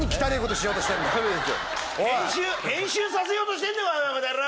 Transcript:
編集させようとしてんのかこの野郎！